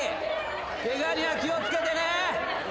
ケガには気を付けてね。